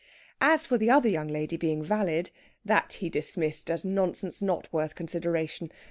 As for the other young lady being valid, that he dismissed as nonsense not worth consideration.